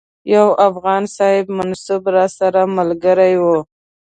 یو افغان صاحب منصب راسره ملګری وو.